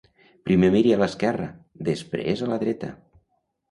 Primer miri a l'esquerra, després a la dreta.